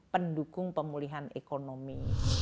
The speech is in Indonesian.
pendukung pemulihan ekonomi